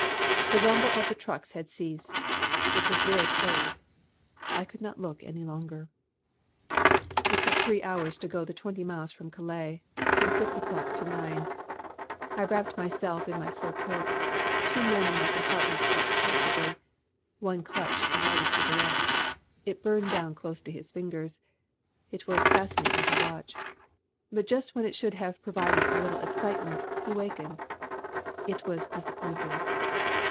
The rumble of the trucks had ceased. It was very cold. I could not look any longer. It took three hours to go the twenty miles to Calais, from six o'clock to nine. I wrapped myself in my fur coat. Two men in my compartment slept comfortably. One clutched a lighted cigarette. It burned down close to his fingers. It was fascinating to watch. But just when it should have provided a little excitement he wakened. It was disappointing.